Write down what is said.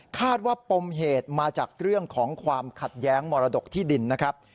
คาดว่าปมเหตุมาจากเรื่องของความขัดแย้งมรดกที่ดินนะครับ